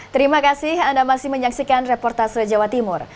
terima kasih anda masih menyaksikan reportas rejawa timur